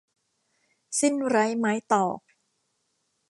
สิ้นไร้ไม้ตอก